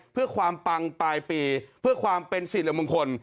เพื่อความปังปลายปีเพื่อความเป็นสิริมงคล